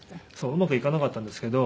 うまくいかなかったんですけど。